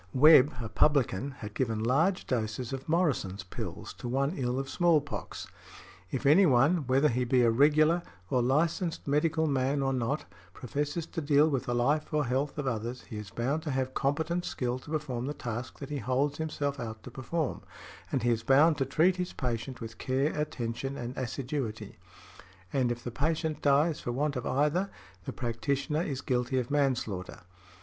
Webb, a publican, had given large doses of Morrison's pills to one ill of small pox . "If any one, whether he be a regular or licensed medical man or not, professes to deal with the life or health of others, he is bound to have competent skill to perform the task that he holds himself out to perform, and he is bound to treat his patient with care, attention and assiduity;" and if the patient dies for want of either, the practitioner is guilty of manslaughter.